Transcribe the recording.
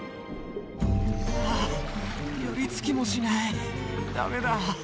はぁ寄り付きもしないダメだ。